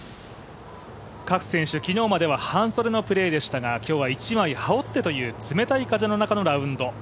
各選手、昨日までは半袖でのプレーでしたが、今日は１枚羽織ってという冷たい風の中でのラウンド。